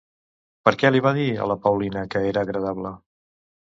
Per què li va dir a la Paulina que era agradable?